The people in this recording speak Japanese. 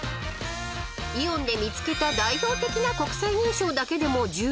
［イオンで見つけた代表的な国際認証だけでも１０以上］